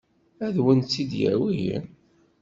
Ad wen-tt-id-yawi?